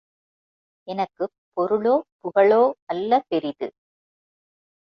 எனக்குப் பொருளோ, புகழோ அல்ல பெரிது.